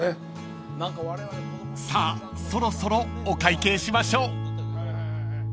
［さあそろそろお会計しましょう］